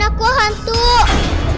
dan ujian anggaran